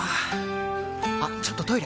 あっちょっとトイレ！